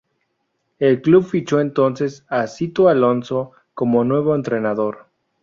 El club fichó entonces a Sito Alonso como nuevo entrenador.